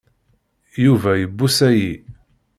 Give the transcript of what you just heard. Yuba ibuṣa-yi.